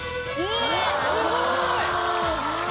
すごい。